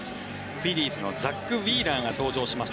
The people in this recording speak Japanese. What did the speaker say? フィリーズのザック・ウィーラーが登場しました。